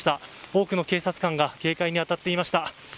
多くの警察官が警戒に当たっていました。